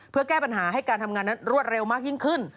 เพื่อแก้ปัญหาให้การทำงานนั้นรวดเร็วมากยิ่งขึ้น